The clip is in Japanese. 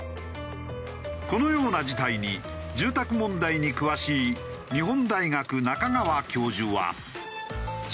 このような事態に住宅問題に詳しい日本大学中川教授は。